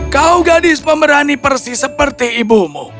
kau gadis pemberani persis seperti ibumu